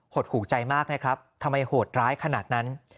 หดหูใจมากนะครับทำไมโหดร้ายขนาดนั้น